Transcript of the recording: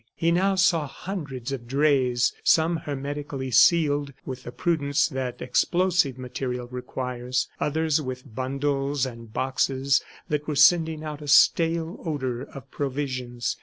He now saw hundreds of drays, some hermetically sealed with the prudence that explosive material requires, others with bundles and boxes that were sending out a stale odor of provisions.